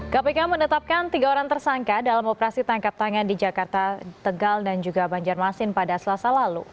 kpk menetapkan tiga orang tersangka dalam operasi tangkap tangan di jakarta tegal dan juga banjarmasin pada selasa lalu